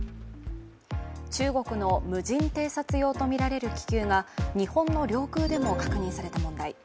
中国の無人偵察用とみられる気球が日本の領空でも確認された問題。